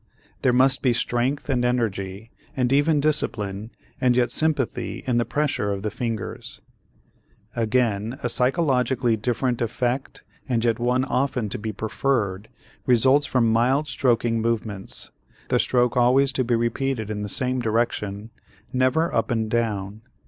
There must be strength and energy and even discipline, and yet sympathy in the pressure of the fingers. Again a psychologically different effect and yet one often to be preferred results from mild stroking movements, the stroke always to be repeated in the same direction, never up and down.